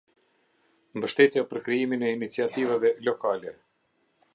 Mbështetja për krijimin e iniciativave lokale.